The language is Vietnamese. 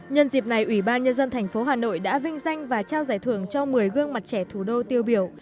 nhân dịp này ủy ban nhân dân thành phố hà nội đã vinh danh và trao giải thưởng cho một mươi gương mặt trẻ thủ đô tiêu biểu